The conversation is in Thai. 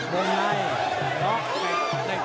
โดนใน